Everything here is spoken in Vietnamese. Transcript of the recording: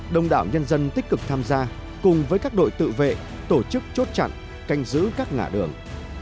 đông đảo nhân dân tích cực tham gia cùng với các đội tự vệ tổ chức chốt chặn canh giữ các ngã đường